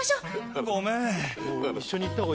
ごめん。